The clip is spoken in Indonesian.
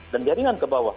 dan jaringan ke bawah